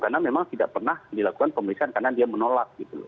karena memang tidak pernah dilakukan pemelisaan karena dia menolak gitu loh